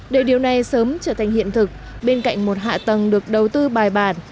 để điều này sớm trở thành hiện thực bên cạnh một hạ tầng được đầu tư bài bản